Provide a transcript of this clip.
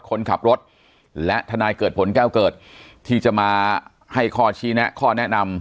คนขับรถและทนายเกิดผลแก้วเกิดที่จะมาให้ข้อชี้แนะข้อแนะนำ